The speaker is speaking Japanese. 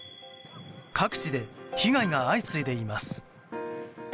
各地で被害が相次いでいます。